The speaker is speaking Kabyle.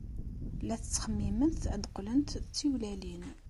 La ttxemmiment ad qqlent d tiwlalin.